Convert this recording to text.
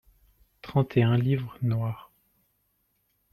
trente et un livres noirs.